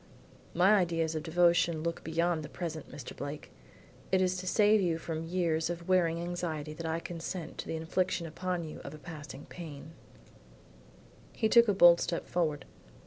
"My ideas of devotion look beyond the present, Mr. Blake. It is to save you from years of wearing anxiety that I consent to the infliction upon you of a passing pang." He took a bold step forward.